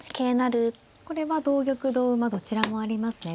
これは同玉同馬どちらもありますね。